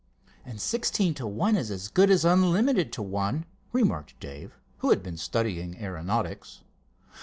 "And sixteen to one is as good as unlimited to one," remarked Dave, who had been studying aeronautics.